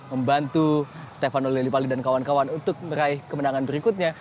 membantu stefano lillipali dan kawan kawan untuk meraih kemenangan berikutnya